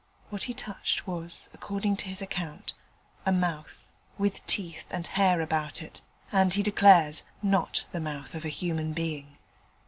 What he touched was, according to his account, a mouth, with teeth, and with hair about it, and, he declares, not the mouth of a human being.